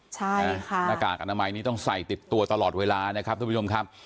ใช่ค่ะหน้ากากอนามัยนี้ต้องใส่ติดตัวตลอดเวลานะครับทุกผู้ชมครับ